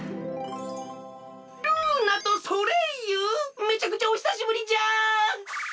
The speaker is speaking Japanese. めちゃくちゃおひさしぶりじゃ！